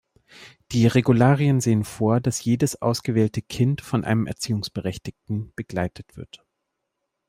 Die Regularien sehen vor, dass jedes ausgewählte Kind von einem Erziehungsberechtigten begleitet wird.